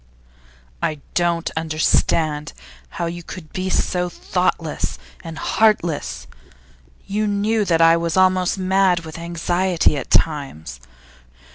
'I don't understand how you could be so thoughtless and heartless. You knew that I was almost mad with anxiety at times.